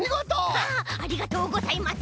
ありがとうございます。